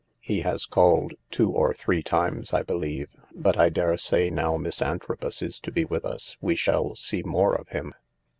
H He has called two or three times, I believe. But I daresay now Miss Antrobus is to be with us we shall see more of him."